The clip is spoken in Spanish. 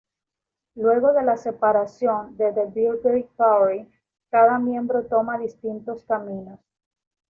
Luego de la separación de The Birthday Party, cada miembro toma distintos caminos.